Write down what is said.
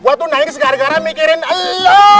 eh gua tuh nangis gara gara mikirin eloooooh